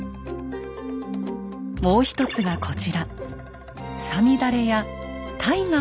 もう一つがこちら。